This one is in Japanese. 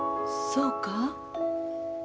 そうか？